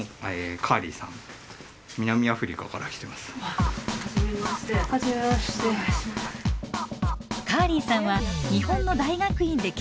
カーリーさんは日本の大学院で建築を専攻。